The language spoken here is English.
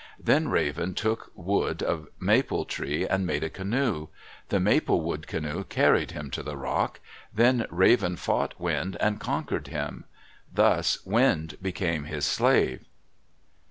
Then Raven took wood of a maple tree and made a canoe. The maple wood canoe carried him to the rock. Then Raven fought Wind and conquered him. Thus Wind became his slave.